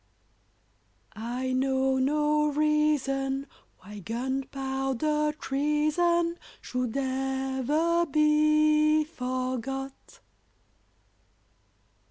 I know no reason Why gunpowder treason Should ever be forgot.